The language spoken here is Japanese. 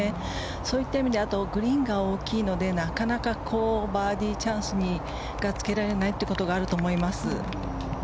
そういった意味でグリーンが大きいのでなかなかバーディーチャンスがつけられないということがあると思います。